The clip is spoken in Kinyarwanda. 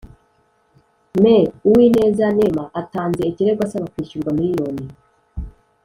me uwineza neema, atanze ikirego asaba kwishyurwa miliyoni